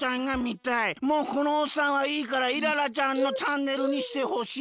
「もうこのおっさんはいいからイララちゃんのチャンネルにしてほしい」。